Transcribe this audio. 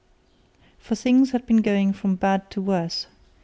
For things had been going from bad to worse.